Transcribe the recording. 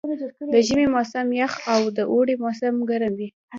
د ژمي موسم یخ او د اوړي موسم ګرم وي.